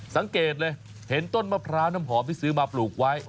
สังเกตเลยเห็นต้นมะพร้าวน้ำหอมที่ซื้อมาปลูกไว้